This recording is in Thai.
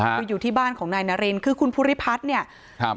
คืออยู่ที่บ้านของนายนารินคือคุณภูริพัฒน์เนี่ยครับ